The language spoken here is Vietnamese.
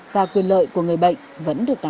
và quyền lợi của các bệnh viện tuyến trên